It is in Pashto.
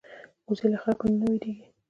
وزې له خلکو نه نه وېرېږي